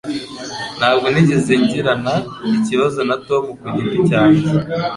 Ntabwo nigeze ngirana ikibazo na Tom ku giti cyanjye